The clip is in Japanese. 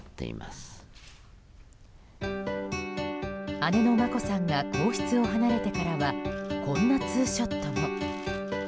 姉の眞子さんが皇室を離れてからはこんなツーショットも。